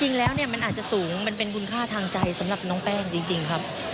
จริงแล้วเนี่ยมันอาจจะสูงมันเป็นคุณค่าทางใจสำหรับน้องแป้งจริงครับ